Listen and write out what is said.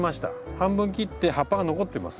半分切って葉っぱが残ってます。